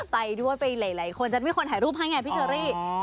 ไปด้วยไปหลายคนจะมีคนถ่ายรูปให้ไงพี่เชอรี่